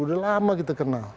sudah lama kita kenal